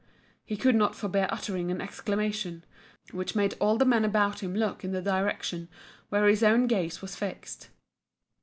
He could not forbear uttering an exclamation, which made all the men about him look in the direction where his own gaze was fixed.